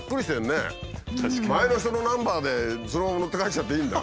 前の人のナンバーでそのまま乗って帰っちゃっていいんだ？